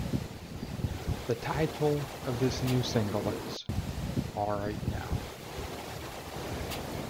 The title of this new single is "Alright Now".